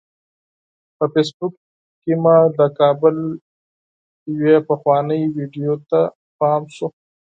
په فیسبوک کې مې د کابل یوې پخوانۍ ویډیو ته ورپام شو.